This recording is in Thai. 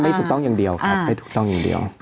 ไม่ถูกต้องอย่างเดียวครับไม่ถูกต้องอย่างเดียว